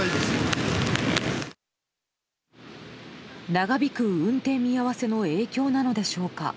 長引く、運転見合わせの影響なのでしょうか。